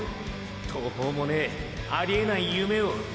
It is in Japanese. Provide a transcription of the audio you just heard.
途方もねぇありえない夢を。